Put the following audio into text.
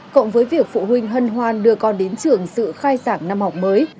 cộng với việc phụ huynh hân hoan đưa con đến trường sự khai giảng năm học mới